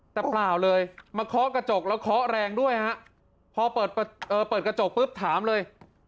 แต่เปล่าเลยมาเคาะกระจกแล้วเคาะแรงด้วยฮะพอเปิดกระจกปุ๊บถามเลย